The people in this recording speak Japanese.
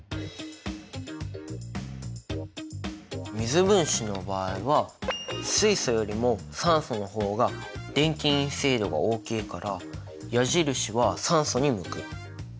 水分子の場合は水素よりも酸素の方が電気陰性度が大きいから矢印は酸素に向く。